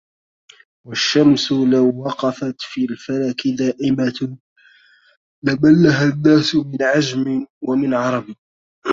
والشمس لو وقفت في الفلك دائمة... لملَّها الناس من عجم ومن عـرب